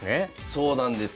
そうなんです。